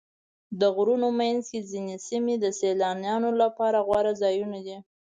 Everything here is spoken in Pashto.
د غرونو منځ کې ځینې سیمې د سیلانیانو لپاره غوره ځایونه دي.